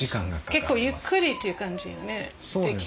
結構ゆっくりっていう感じよね出来るまで。